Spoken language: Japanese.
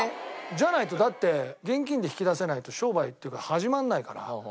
じゃないとだって現金で引き出せないと商売っていうか始まんないから。